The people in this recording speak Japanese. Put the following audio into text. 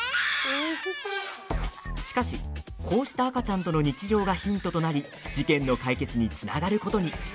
しかし、こうした赤ちゃんとの日常がヒントとなり事件の解決につながることに。